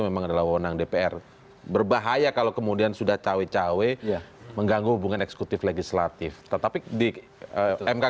baru disitu ada diskusinya